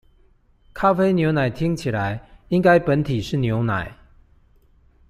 咖啡牛奶聽起來，應該本體是牛奶